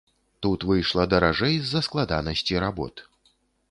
Тут выйшла даражэй з-за складанасці работ.